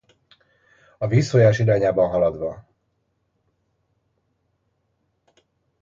A vízfolyás irányában haladva.